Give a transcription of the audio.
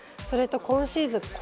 それと今シーズン